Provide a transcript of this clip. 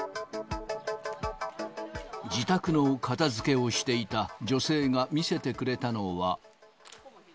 自宅の片づけをしていた女性が見せてくれたのは。